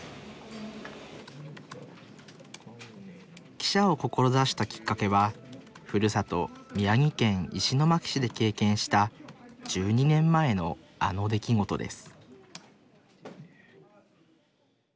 記者を志したきっかけはふるさと宮城県石巻市で経験した１２年前のあの出来事です